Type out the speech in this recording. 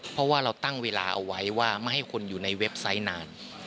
เพราะว่าเราตั้งเวลาเอาไว้ว่าไม่ให้คนอยู่ในเว็บไซต์นาน